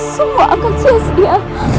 semua akan sia sia